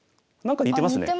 あっ似てますね。